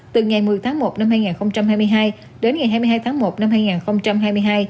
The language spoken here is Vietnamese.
từ ngày một mươi tháng một năm hai nghìn hai mươi hai đến ngày hai mươi hai tháng một năm hai nghìn hai mươi hai